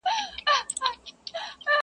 هم په غلاوو کي شریک یې څارنوال وو٫